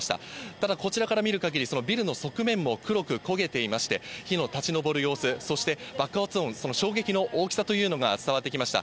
ただ、こちらから見るかぎり、そのビルの側面も黒く焦げていまして、火の立ち上る様子、そして爆発音、その衝撃の大きさというのが伝わってきました。